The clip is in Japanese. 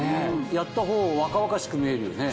やったほう若々しく見えるよね。